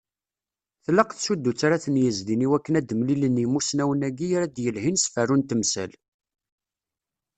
Tlaq tsudut ara ten-yezdin i wakken ad mlilen yimussnawen-agi ara d-yelhin s ferru n temsal.